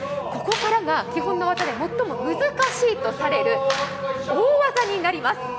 ここからが基本の技で最も難しいとされる大技になります